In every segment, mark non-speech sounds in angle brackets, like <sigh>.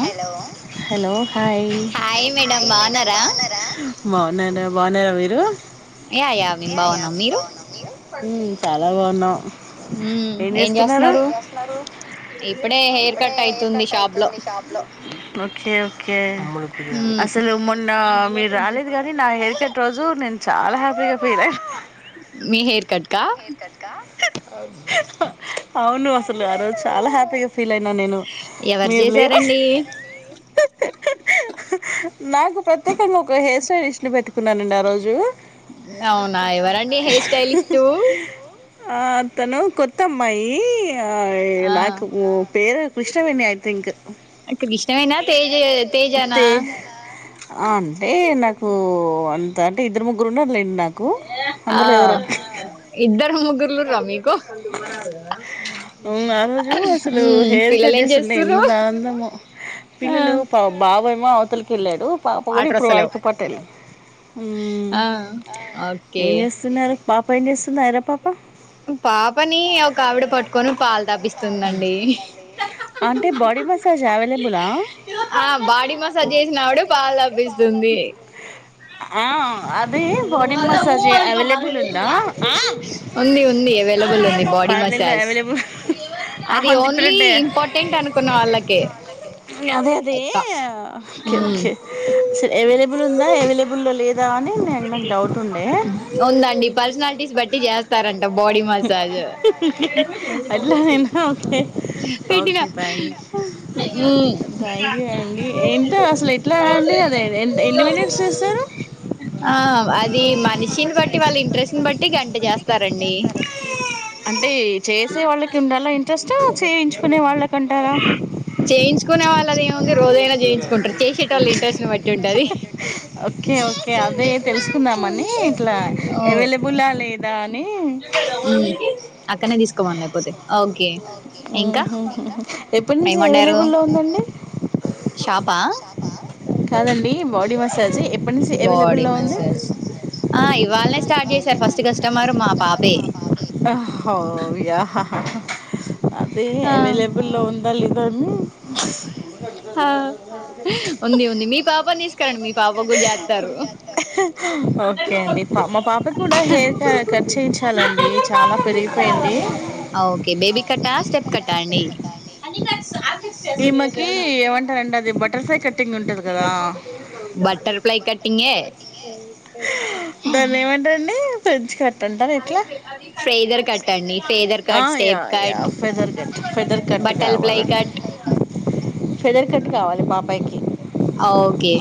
Hello hello hi hi madam బాగున్నారా బాగున్నాను బాగున్నార మీరు యా యా మేము బాగున్నాం మీరు ఉమ్ చాలా బాగున్నాం ఉ ఏం చేస్తున్నారు ఇప్పుడే హెయిర్ కట్ అయితుంది షాప్ లో ఓకే ఓకే మ్మ్, అసలు మొన్న మీరు రాలేదు గానీ నా హెయిర్ కట్ ట్ రోజు నేను చాలా హ్యాపీగా ఫీలయ్య మీ హెయిర్ కట్కా అవును అసలు ఆ రోజు చాలా హ్యాపీగా ఫీల్ అయినా నేను ఎవరు మీరు లేరు చేశారండి నాకు ప్రత్యేక ఒక హెయిర్ చే చేసిన పెట్టుకున్నానండి ఆ రోజు అవునా ఎవరండి హెయిర్ స్టైలిస్టు ఆ అతను కొత్త అమ్మాయి ఆ ఈ ఆ నాకు పేరు కృష్ణవేణి ఐ థింక్ కృష్ణవేనా తేజ చైనా తేజ తేజానా తే ఆ అంటే నాకు అంతటి ఇద్దరు ముగ్గురు ఉన్నారులే ఆ ఇద్దరు ముగుర్లు రావు ఉ ఆ రోజు అసలు మ్మ్, హెయిర్ పిల్లలు కట్ ఏం చేస్తుంటే చేస్తుర్రు ఎంత ఆనందమో ఆ పిల్లలు పా బాబేమో అవతలకి వెళ్ళాడు పాప కూడా వాటర్ ఇప్పుడు వస్తలేవు వాడుతో పటు వెళ్ళింది ఉ ఆ ఓకే ఏం చేస్తున్నారు పాప ఏం చేస్తుంది ఐరా పాప పాపని ఒక ఆవిడ పట్టుకొని పాలు తాపిస్తుందండి అంటే బాడీ మసాజ్ అవైలబులా ఆ బాడీ మసాజ్ చేసినావిడే పాలు తాపిస్తుంది ఆ, అదే బాడీ మసాజ్ అవైలబుల్ ఉందా ఉంది ఉంది అవైలబుల్ ఉంది బాడీ పార్లర్లో మసాజ్ అవైలబుల్ అది ఆహం ఓన్లీ తిప్పినట్టే ఇంపో అదే ఎక్క ఉమ్ అదేఓకేకే సో అవైలబుల్ ఉందా అవై లబ్ ఉల్ల లేదు కదా అని నేన్ డౌట్ ఉండే ఉందండి పర్సనాలిటీస్ బట్టి చేస్తారంట బాడీ మసాజ్ అట్లా గైన ఓకే పెట్టిన okay thank um thank you అండి ఏంటో అసలు ఎట్లా అండి అది ఎ ఎన్ని మి నిట్స్ చేస్తారు ఆ అది మనిషిని బట్టి వాళ్ళ ఇంట్రెస్ట్ని బట్టి గంట చేస్తారండి అంటే చేసే వాళ్ళకి ఉండాల ఇంట్రెస్ట్ చేయించుకునే వాళ్ళకి అంటారా రోజనా చేయించు కుంటారు చేసే వాళ్ళ ఇంట్రెస్ట్ ని బట్టి ఉంటది ఓకే ఓ కే అదే తెలుసుకుందామని ఇట్లా ఓ అవైలబులా లేదా అని తీసుకోవాల లేకపోతే ఓకే ఉమ్ ఇంకా హు ఎప్పటినుంచి ఏమండారు అవైలబులో ఉందండి షాపా కాదండి బాడీ మసాజ్ ఎప్పుట్ బాడీ మసాజ్ ఆ ఇవాలే స్టార్ట్ చేసారు ఫస్ట్ కస్టమర్ మా పాపే ఆ హ యా హ హా హా అది ఆ అవైలబుల్లో ఉ అల్లి డమ్మీ హా ఉంది ఉంది మీ పాపని తీసుకురండి మీ పాప కూడా చెత్తారు ఓకే అండి పా మా పాపకి కూడా హెయిర్ కట్ చేయించాలండి చాలా పెరిగిపోయింది ఓకే బేబీ కట్టా స్టెప్ కట్ట అండి విశేష ఈమెకి మీదైన ఏమంటారండి అది బటర్ ఫ్లై కటింగ్ ఉంటది కదా టింగే దాన్ని ఏమంటారండి ఫ్రెంచ్ కట్ అన్టార ఎట్లా ఫేదర్ కట్ అండి ఫేదర్ ఆ cut yeah step yeah cut feather cut feather cut butterfly కావాలన్ కట్ ఫెదర్ కట్ కావాలి మా అమ్మాయికి ఓకే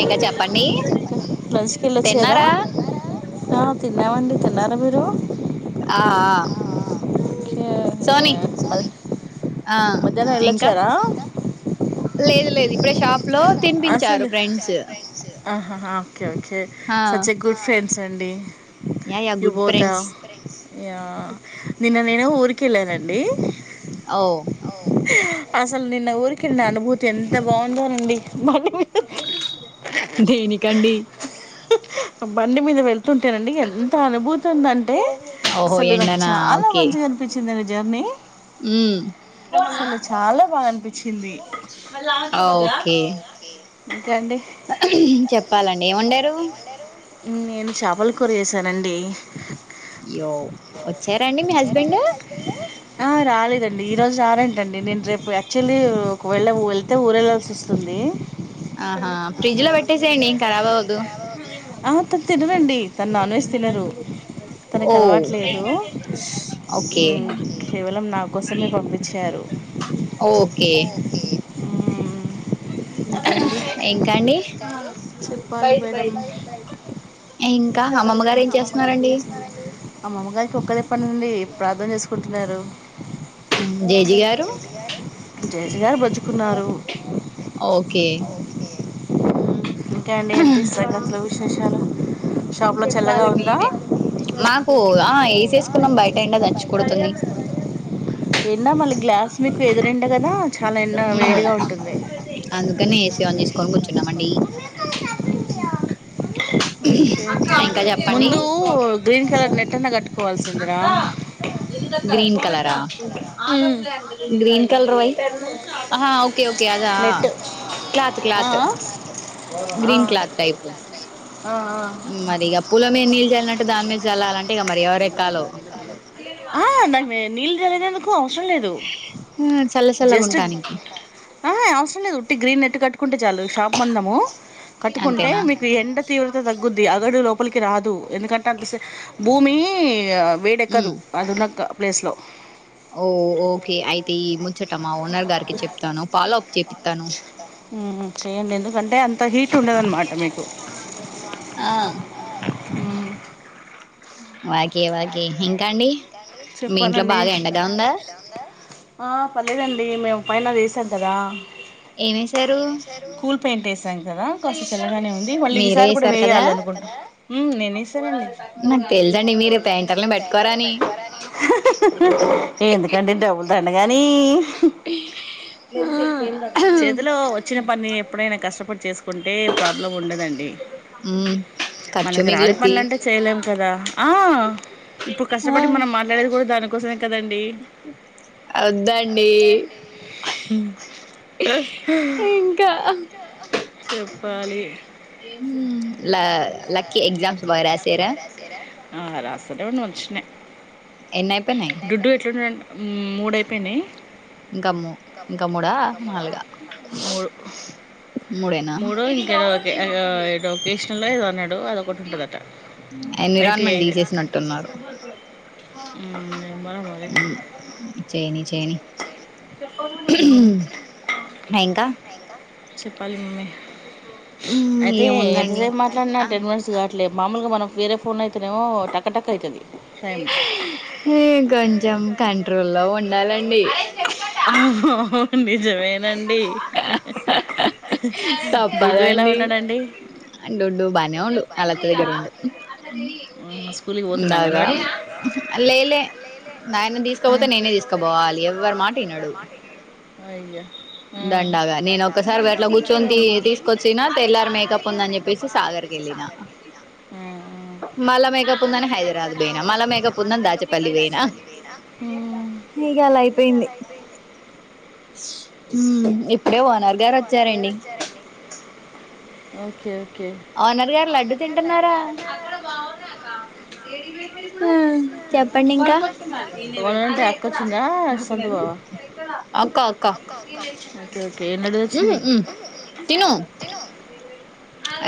ఇంక చెప్ లంచ్ కెళ్ళోచరా ఆ తిన్నామండి తిన్నారా మీరు ఆ ఆ సోని ఆ మధ్యాహ్నం ఇంకా వెళ్ళొచ్చారా లేదు లేదు ఇప్పుడే షాప్ లో తినిపించారు ఫ్రెండ్స్ ఆహా హా ఓకే ఓకే ఆ such I good friends Sunday yeah yeah good friends yeah నిన్న నేనే ఊరి కి వెళ్ళానండి అవ్ అసలు నిన్న ఊరికి వెళ్ళాను లేజీ బ మీద దేనికండి బండి మీద వెళ్ తుంటేనండి ఎంత అనుభూతి ఉందంటే ఓహో అసలు నాకు ఎండనా చాలా మంచిగా అనిపించి జమ్మి యూ బాగా అనిపించింది ఆ ఓకే బ చెప్పాలండి ఏ ముండారు తు నేను చేపల కూర చేశానండి య్యో వచ్చారండి మీ హస్బెండ్ యూ లేదండి ఈ రోజు రా రంటా అండి నేను రేపు యాక్చువల్లీ ఒకవేళ వెళ్తే ఊరు వెళ్లాల్సి వస్తుంది ఆహా ఫ్రిజ్లో పెట్టేసేయండి ఏం కరాబ్ అవ్వదు ఆ అతను తినరండి తను నాన్ వెజ్ తినరు తనకు ఓ అలవాటు లేదు ఓకే యూ కేవలం నా కోసమే పంపించారు ఓకే ఆ ఇంకా అండి ఇంకా అండి చెప్పాలి మేడమ్ ఇంకా అమ్మమ్మ గారు ఏం చేస్తున్నారండి అమ్మమ్మ గారికి ఒక్కరే పని ఉంది ప్రార్థన చేసుకున్ ఉన్నారు యూ జేజి గారు <unintelligible> జేజి బజ్జు కున్నారు ఓకే విశేషాలు షాప్లో చల్లగా చెప్పాలి ఉందా మీరే మాకు ఆ ఏసీ వేసుకున్నాం బయట ఎండ దంచు కొడుతుంది ఎండ మళ్లీ గ్లాస్ మీకు ఎదురు ఎండ కదా చాలా ఎండ వేడిగా ఉంటుంది తీసుకని కూర్చున్నామండి ఇంకా చెప్పండి ముందు గ్రీన్ కలర్ నెట్ అన్నా కట్టుకోవాల్సిందిరా అ ఆద గ్రీన్ కలర్ వై ఓకే ఓకే దా నెట్ క్లాత్ ఆ క్లాత్ ఆ గ్రీన్ క్లాత్ టైప్ ఆ మరి ఇక పూల మీద నీళ్ళు చల్లినట్టు దాని మీద చల్లాలంటే ఇక మరి ఎవరిక్కలు ఆ నాకు <unintelligible> అవసరం లేదు చల్ల చల్లగా ఉంటానికి అవసరం లేదుట్టి గ్రీ నట్టు కట్టుకుంటే చాలు షాప్ మందము కట్టుకుంటే అంతేనా మీకు ఎండ తీవ్రత తగ్గుద్ది అగడు లోపలికి రాదు ఎందుకంటే అంత భూమి వేడెక్కదు ఉమ్ అదిన్న ప్లేస్లో ఓ ఓకే అయి ముచ్చటమా ఓనర్ గారికి చెప్ప చెను పాలో అప్ చెప్ప ఉమ్ చెయండి ఎందుకంటే అంత హీట్ ఉండదన్నమాట మీకు ఆ వాగే వాగ ఇంకాండి మీ ఇంట్లో చెప్పాలండి బాగా ఎండగా ఉందా పర్లేదండి మేము పైన రీసెంట్ కదా ఏమేసారు కూల్ పెయింట్ వేసాం కదా కాస్త చల్లగానే ఉంది మళ్ళీ మీరే ఈసారి కూడా వేసారు కదా వేయాలనుకుంటా ఉమ్, నేను వేసానండి నాకు తెలిదండి మీరు పెయాంటని పెట్టుకోరా అని ఎందుకడి డబుల్ త అకే నీ చేతిలో వచ్చిన పని ఎప్పుడైనా కష్టపడి చేసుకుంటే ప్రాబ్లం ఉండదండి మ్మ్ ఖర్చు మనకి రాని మిగులుద్ది పనుల అంటే చేయలేము కదా ఆ ఇప్పుడు కష్టపడి మనం మాట్లాడేది కూడా దానికి కోసమే అవుద్దండి ఇంకా చెప్పాలి ల లక్కి రాసర స్నే ఎన్ని అయిపోయినాయి డ్డు ఎట్లు మూడయిపోయినాయి ఇంకా మూ ఇంకా మూడా నాలుగా మూడు మూడేనా మూడు ఇంకేదిఒకే ఒకేషనల్ ఒ ఏదోన ఐటీ ఎన్విరాన్మెట్ ఐదే తీసేసినట్టున్నారు ఏమో మరి హు చేయని చేయని మ్మ్. ఇంకా చెప్పాలి మమ్మీ మ్మ్ అయితే ఏముందండి ఎంతసేపు మాట్లాడిన టెన్ మినిట్స్ కాట్ లే మామూలుగా మనం వేరే ఫోన్ అయితేనేమో టక్క టక్క్క అయితది ఇంకొంచం కన్ ట్రోల్లో ఉండాలండి ఆహ డుడ్డు ఎలా తప్పదండి ఉన్నాడండి డుడ్డు బనే ఉండు అలత్త దగ్గర ఉండు మ్మ్, స్కూల్కి పోతున్నా బాగా అంగన్వాడి లేలే నాయన్న తీసుకపోతే నేనే తీసుకుపోవాలి ఎవ్వరి మాట్ అయ్య దండాగా నేను ఒక్కసారి గట్లా కూర్చొని తీసుకొచ్చిన తెల్లారీ మేకప్ ఉందని చెప్పేసి సాగర్కి వెళ్ళిన మ్మ్. మళ్ళ మేకప్ ఉందని హైదరాబాద్ పోయినా మళ్ళ మేకప్ ఉందని దాచేపల్లి పోయినా మ్మ్. ఇగలైపోయింది హ ఇప్పుడే ఓనర్ గారు వచ్చారండి ఓకే ఓ ఓనర్ గారు లడ్డు తింటున్నారా హు చెప్పండి ఇంకా వాళ్ళంటే అక్కొచ్చిందా? సొంత బావా? అక్క అక్క ఓకే. ఓకే. ఎన్నడూదొచ్చింది?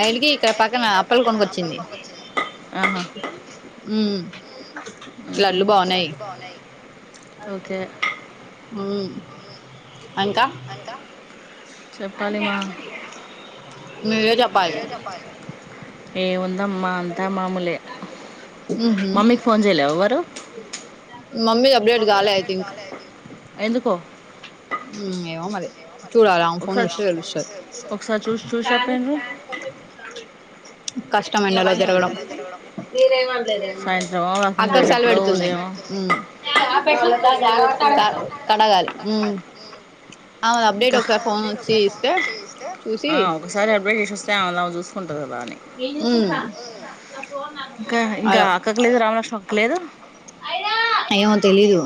ఆయనకి ఇక్కడ పక్కన అప్పాలు కొనుకొచ్చింది ఆహా! మ్ హ్మ్. లడ్లు బాగున్నాయి ఓకే. హుమ్ ఇంకా చెప్పాలి మా. మీరే చెప్పాలీ ఏం ఉంద్ మ్మా అంతా మామూలే ఉహు మమ్మీకి ఫోన్ చేయలేవ్ ఎవరు మమ్మీ అప్డేట్ కాలే ఐ థింక్ ఎందుకో ఏమో మరి చూడాలి ఆమె ఫోన్ ఒకసారి చూస్తే తెలుస్తది ఒకసారి చూసి చూసి చెప్పేండ్రు. సాయంత్రమా వాకింగ్ పోయేటప్పుడో, ఉదయమో. అమేది అప్డేట్ ఇంకా ఒకసారి ఫోన్ వచ్చి ఇస్తే చూసి డేట్ చేసిస్తే ఆమెది ఆమె చుస్ హు ఇంకా ఇంకా అల అక్కకి లేదు, రామలక్ష్మి అక్కకి లేదు? ఏమో తెలీదు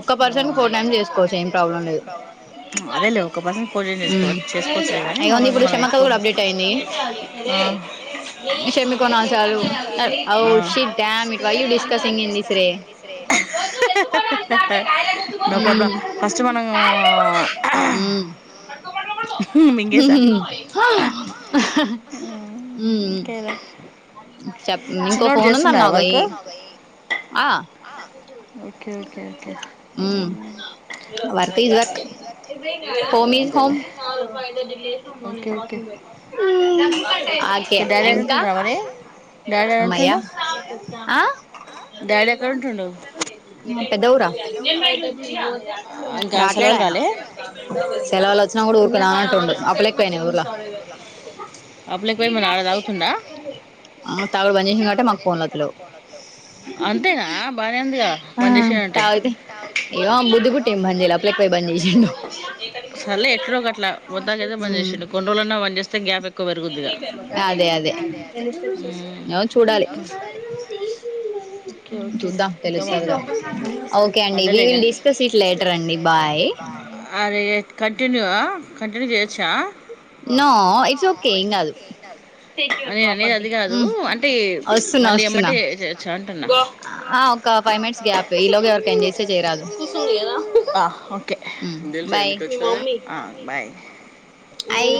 ఒక్క పర్సన్ కి ఫోర్ టైమ్స్ చేసుకోవచ్చు ఏం ప్రాబ్లం లేదు అదేలే ఒక్క పర్సన్ కి ఫోర్ టైమ్స్ ఉమ్ చెస్ చేసుకోవచ్చులే గానీ అయ్యోంది మామలుగా ఇప్పుడు మనం షమక్క ఎక్కువ ఆ షమికో నాలుగు సార్లు ఆ ఆవ్ ఆ, shit damn it why you discussing in this రే నో ప్రాబ్లం ఫస్ట్ మనం మింగేసా ఉ ఇంకేదా చెప్పండి ఇంకో చిన్నోడు ఫోన్ చేస్తున్నారా ఉందన్నావు గా వర్క్ ఈ నా ఆ okay okay okay um work టిస్ వర్క్ హోమ్ ఇస్ అదేలే హోమ్ ఓకే ఓకే హ్మ్ హకే డాడీ ఎక్కడ ఇంకా ఉంటుండ్రా మరి డాడీ ఎక్కడ అమ్మయ్య ఉంటుండు ఆ డాడీ ఎక్కడ ఉంటుండు పెద్ద ఊర ఇంకా అసలు రాట్లేడు వాళ్ళు ఆయన రాలే సెలవులు వచ్చినా కూడా ఊరికి రాను అంటుండు అప్పులు ఎక్కువైనాయి ఊర్ల అప్పులకి పోయి మరి ఆడ తాగుతుండా తాగుడు బంజేషిండు కాబట్టే మాకు పోన్ల అత్త లేవు అంతేనా బానే ఉందిగా బంజేశిండు అంటే తాగితే ఏమో బుద్ధి పుట్టి ఏం బంద్ చేయలే అప్పులు ఎక్కువై బంద్ చేసిండు సర్లే ఎట్లో ఒక అట్లా మొత్తానికి అయితే బంజేసిండు కొన్ని రోజులన్నా బంజేస్తే గ్యాప్ ఎక్ అదే అదే మ్మ్. ఏమో చూడాలి ఓకే ఓకే చూద్దాం ఇంకా తెలుస్తాది మమ్మీ గా ఓకే అండి వి అదేలేగా విల్ డిస్కస్ ఇట్ లేటర్ అండి బాయ్ అరే కంటిన్యూ కంటిన్యూ చేయొచ్చా నో ఇట్స్ ఓకే ఏం కాదు నేను అనేది అది కాదు అంటే వస్తున్నా మళ్ళీ వస్తున్నా ఎమ్మటే చేయొచ్చా అంటున్నా ఒక ఫైవ్ మినిట్స్ గ్యాప్ ఇలోగ ఎవరికన్నా చేస్తే చేయరాదు ఓకే బాయ్ అయి